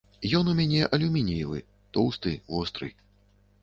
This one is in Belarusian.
Ён у мяне алюмініевы, тоўсты, востры.